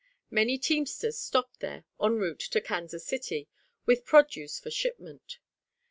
Many teamsters stopped there, en route to Kansas City with produce for shipment.